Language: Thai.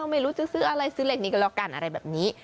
ไม่รู้จะซื้ออะไรซื้อเลขนี้ก็แล้วกันอะไรแบบนี้